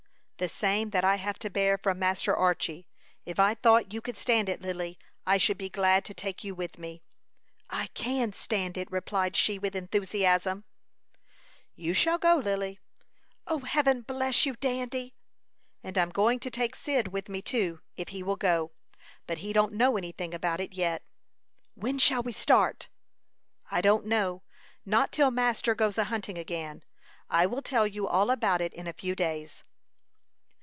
"The same that I have to bear from Master Archy. If I thought you could stand it, Lily, I should be glad to take you with me." "I can stand it," replied she, with enthusiasm. "You shall go, Lily." "Heaven bless you, Dandy!" "And I'm going to take Cyd with me, too, if he will go; but he don't know any thing about it yet." "When shall we start?" "I don't know; not till master goes a hunting again. I will tell you all about it in a few days."